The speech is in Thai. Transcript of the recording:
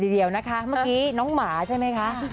เดียวนะคะเมื่อกี้น้องหมาใช่ไหมคะ